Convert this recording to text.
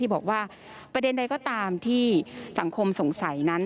บอกว่าประเด็นใดก็ตามที่สังคมสงสัยนั้น